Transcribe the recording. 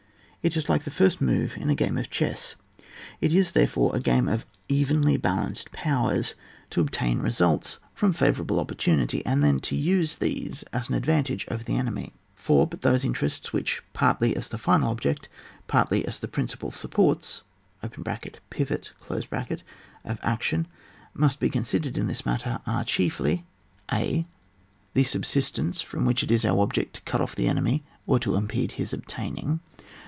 It is like the first moves in a game of chess. It is, there fore, a game of evenly balanced powers, to obtain results from favourable oppor tunity, and then to use these as an ad vantage over the enemy. 4. But those interests which, partly as the final object, partly as the principal supports (pivot) of action, must be con sidered in this matter, axe chiefly :— (a.) The subsistence from which it is our object to cut off the enemy, or to impede his obtaining.